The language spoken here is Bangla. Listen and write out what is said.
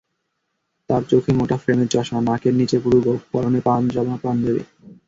তাঁর চোখে মোটা ফ্রেমের চশমা, নাকের নিচে পুরু গোফ, পরনে পাজামা-পাঞ্জাবি।